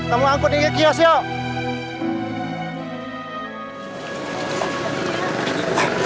kamu angkutin ke kiosk yuk